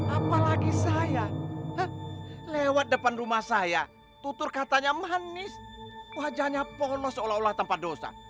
apalagi saya lewat depan rumah saya tutur katanya manis wajahnya ponos seolah olah tanpa dosa